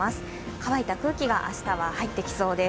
乾いた空気が明日は入ってきそうです。